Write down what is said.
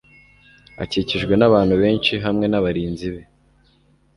akikijwe n'abantu benshi hamwe n'abarinzi be